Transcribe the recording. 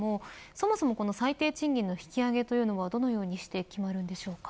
そもそも最低賃金の引き上げというのはどのようにして決まるんでしょうか。